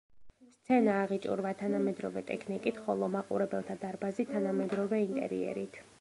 სცენა აღიჭურვა თანამედროვე ტექნიკით, ხოლო მაყურებელთა დარბაზი თანამედროვე ინტერიერით.